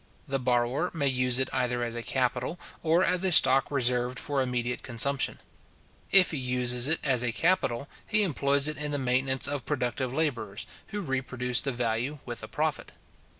The borrower may use it either as a capital, or as a stock reserved for immediate consumption. If he uses it as a capital, he employs it in the maintenance of productive labourers, who reproduce the value, with a profit.